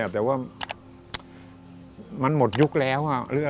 แต่ว่ามันหมดยุคแล้ว